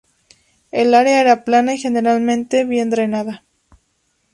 El área era plana, y generalmente bien drenada.